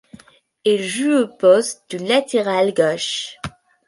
Il joue au poste de latéral gauche.